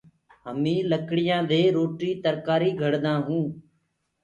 همينٚ لڪڙيآندي روٽي ترڪآري گھڙدآ هيونٚ۔